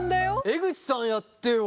江口さんやってよ。